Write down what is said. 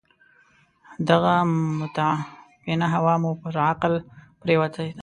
دغه متعفنه هوا مو پر عقل پرېوته ده.